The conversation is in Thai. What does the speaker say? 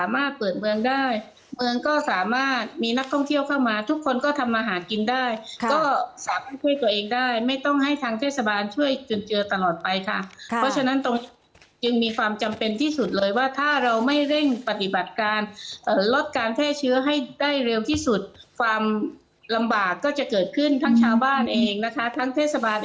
เปิดเมืองได้เมืองก็สามารถมีนักท่องเที่ยวเข้ามาทุกคนก็ทำอาหารกินได้ก็สามารถช่วยตัวเองได้ไม่ต้องให้ทางเทศบาลช่วยจนเจอตลอดไปค่ะเพราะฉะนั้นตรงจึงมีความจำเป็นที่สุดเลยว่าถ้าเราไม่เร่งปฏิบัติการลดการแพร่เชื้อให้ได้เร็วที่สุดความลำบากก็จะเกิดขึ้นทั้งชาวบ้านเองนะคะทั้งเทศบาล